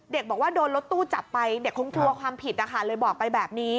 บอกว่าโดนรถตู้จับไปเด็กคงกลัวความผิดนะคะเลยบอกไปแบบนี้